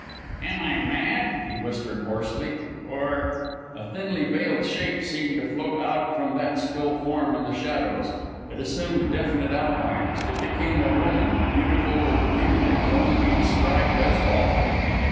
"Am I mad?" he whispered hoarsely, "or " A thinly veiled shape seemed to float out from that still form in the shadows; it assumed definite outlines; it became a woman, beautiful with a beauty that could only be described as awful.